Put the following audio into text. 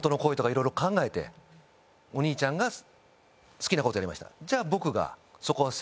お兄ちゃんが好きなことやりました。